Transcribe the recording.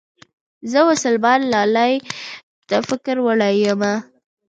زه مسلمان لالي ته فکر وړې يمه